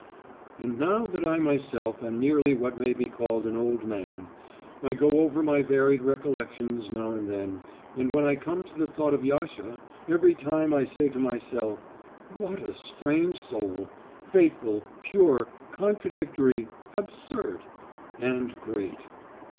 And now that I myself am nearly what may be called an old man, I go over my varied recollections now and then, and when I come to the thought of Yasha, every time I say to myself: "What a strange soul faithful, pure, contradictory, absurd and great.